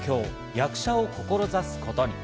役者を志すことに。